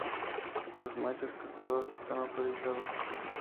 Los machos castrados están autorizados.